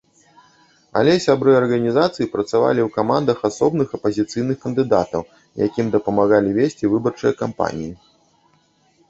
Але сябры арганізацыі працавалі ў камандах асобных апазіцыйных кандыдатаў, якім дапамагалі весці выбарчыя кампаніі.